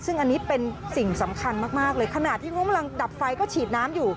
ซึ่งอันนี้เป็นสิ่งสำคัญมากเลยขณะที่เขากำลังดับไฟก็ฉีดน้ำอยู่